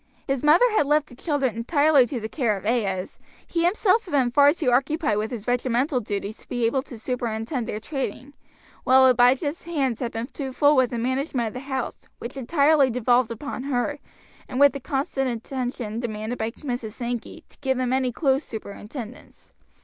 His mother had left the children entirely to the care of ayahs, he himself had been far too occupied with his regimental duties to be able to superintend their training, while Abijah's hands had been too full with the management of the house, which entirely devolved upon her, and with the constant attention demanded by Mrs. Sankey, to give them any close superintendence.